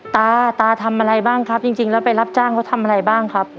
ตาตาทำอะไรบ้างครับจริงแล้วไปรับจ้างเขาทำอะไรบ้างครับ